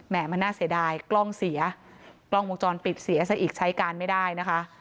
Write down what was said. มันน่าเสียดายกล้องเสียกล้องวงจรปิดเสียซะอีกใช้การไม่ได้นะคะ